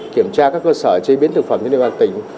kiểm tra các cơ sở chế biến thực phẩm trên địa bàn tỉnh